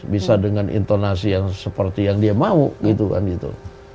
bisa dengan intonasi yang seperti yang dia mau gitu kan gitu